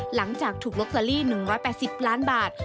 หลังจากถูกลอตเตอรี่๑๘๐ล้านบาท